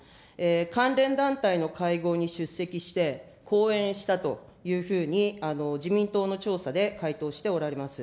関連団体の会合に出席して、講演したというふうに自民党の調査で回答しておられます。